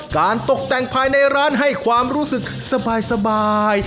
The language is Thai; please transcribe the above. ตกแต่งภายในร้านให้ความรู้สึกสบาย